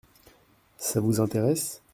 Ça vous intéresse ?